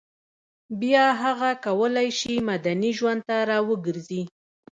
بیا هغه کولای شي مدني ژوند ته راوګرځي